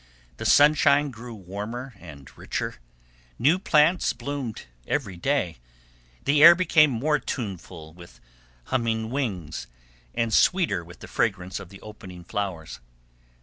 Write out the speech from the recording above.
The sunshine grew warmer and richer, new plants bloomed every day; the air became more tuneful with humming wings, and sweeter with the fragrance of the opening flowers.